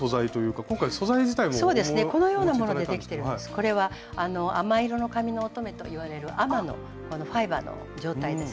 これは「亜麻色の髪の乙女」といわれる亜麻のファイバーの状態です。